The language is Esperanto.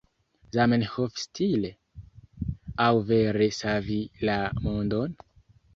Zamenhof-stile? aŭ vere savi la mondon?